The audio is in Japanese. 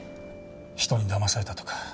人にだまされたとか。